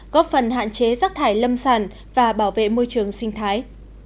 góp phần hạn chế rác thải lâm sản và bảo vệ môi trường sinh thái